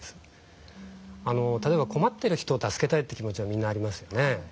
例えば困ってる人を助けたいって気持ちはみんなありますよね。